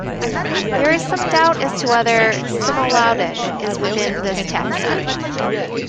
There is some doubt as to whether "Cimolodon" is within this taxon.